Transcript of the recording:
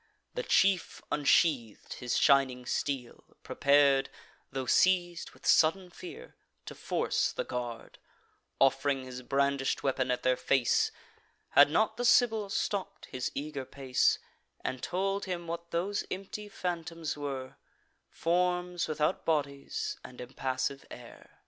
The chief unsheath'd his shining steel, prepar'd, Tho' seiz'd with sudden fear, to force the guard, Off'ring his brandish'd weapon at their face; Had not the Sibyl stopp'd his eager pace, And told him what those empty phantoms were: Forms without bodies, and impassive air.